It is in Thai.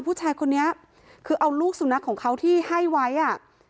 ผู้ชายคนนี้คือเอาลูกสุนัขของเขาที่ให้ไว้อ่ะ